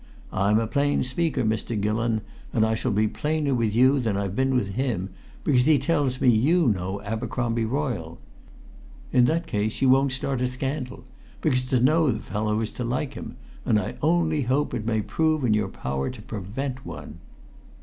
I'm a plain speaker, Mr. Gillon, and I shall be plainer with you than I've been with him, because he tells me you know Abercromby Royle. In that case you won't start a scandal because to know the fellow is to like him and I only hope it may prove in your power to prevent one."